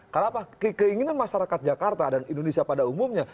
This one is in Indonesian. karena apa keinginan masyarakat jakarta dan indonesia pada umumnya